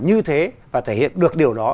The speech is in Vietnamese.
như thế và thể hiện được điều đó